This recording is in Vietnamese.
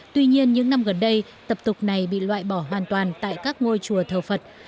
tuy nhiên những năm gần đây tập tục này bị loại bỏ hoàn toàn tại các ngôi chùa thờ phật